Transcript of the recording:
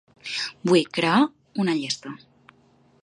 Vull crear una llista.